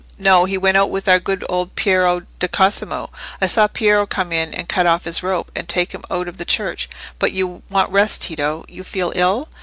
"No, he went out with our good old Piero di Cosimo. I saw Piero come in and cut off his rope, and take him out of the church. But you want rest, Tito? You feel ill?"